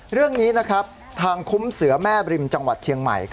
เรื่องนี้ทางคุ้มเสือแม่บริมจังหวัดเชียงใหม่